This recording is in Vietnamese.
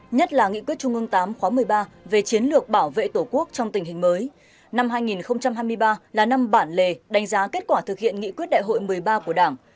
năm hai nghìn hai mươi ba là năm bản lề đánh giá kết quả thực hiện nghị quyết đại hội một mươi ba của đảng